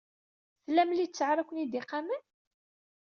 Tlam littseɛ ara ken-id-iqamen?